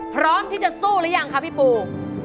พร้อมที่จะสู้หรือยังคะพี่ปู